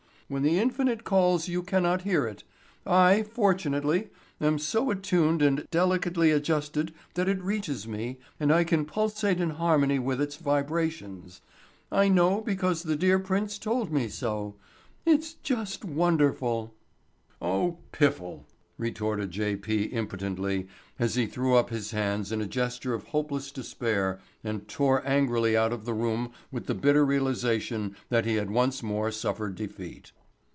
When the infinite calls you cannot hear it. I, fortunately, am so attuned and delicately adjusted that it reaches me, and I can pulsate in harmony with its vibrations. I know because the dear prince told me so. It's just wonderful." "Oh——piffle," retorted J. P. impotently as he threw up his hands in a gesture of hopeless despair and tore angrily out of the room with the bitter realization that he had once more suffered defeat.